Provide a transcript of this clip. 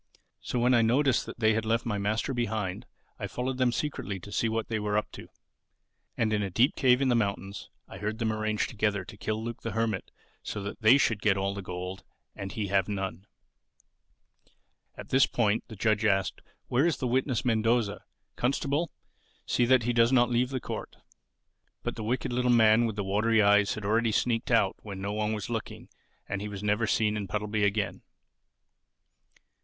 So when I noticed that they left my master behind, I followed them secretly to see what they were up to. And in a deep cave in the mountains I heard them arrange together to kill Luke the Hermit so that they should get all the gold and he have none." At this point the judge asked, "Where is the witness Mendoza? Constable, see that he does not leave the court." But the wicked little man with the watery eyes had already sneaked out when no one was looking and he was never seen in Puddleby again.